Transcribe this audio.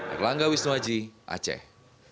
erlangga wisnuaji aceh